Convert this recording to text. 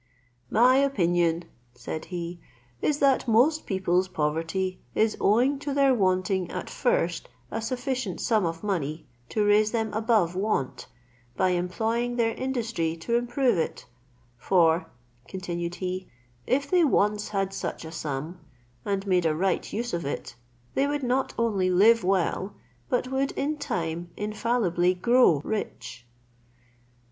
"My opinion," said he, "is, that most people's poverty is owing to their wanting at first a sufficient sum of money to raise them above want, by employing their industry to improve it; for," continued he, "if they once had such a sum, and made a right use of it, they would not only live well, but would in time infallibly grow rich."